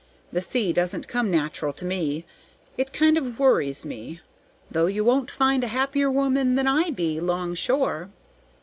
The sea doesn't come natural to me, it kind of worries me, though you won't find a happier woman than I be, 'long shore.